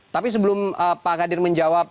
tapi sebelum pak kadir menjawab